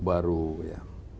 saya punya bupuk baru